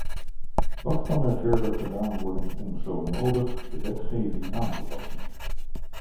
Wat kan er verder gedaan worden om zo nodig de wetgeving aan te passen?